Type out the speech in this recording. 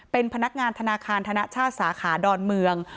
เป็นพนักงานธนาคารธนชาติสาขาดอนเมือง